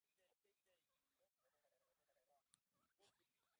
Nchi ya ufaransa imeshuhudia nyota mbalimbali wa soka